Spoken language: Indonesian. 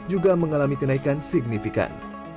juga mengalami kenaikan signifikan